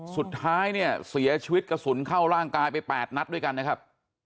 สุดท้ายเนี่ยเสียชีวิตกระสุนเข้าร่างกายไป๘นัดด้วยกันนะครับ